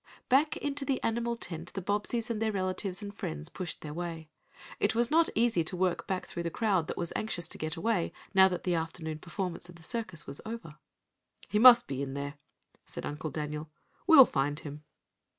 Back into the animal tent the Bobbseys and their relatives and friends pushed their way. It was not easy to work back through the crowd that was anxious to get away, now that the afternoon performance of the circus was over. "He must be in there," said Uncle Daniel. "We'll find him."